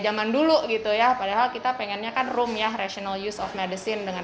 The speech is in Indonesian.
zaman dulu gitu ya padahal kita pengennya kan room ya rational use of medicine dengan